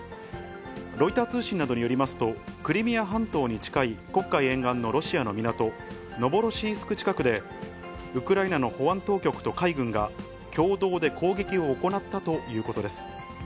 ロイター通信などによりますと、クリミア半島に近い黒海沿岸のロシアの港、ノボロシースク近くで、ウクライナの保安当局と海軍が、共同で攻撃を行ったということです。